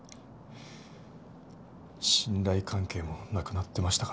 信頼関係もなくなってましたから。